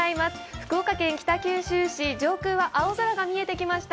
福岡県北九州市、上空は青空が見えてきました。